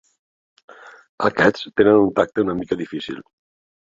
Aquests tenen un tacte una mica difícil.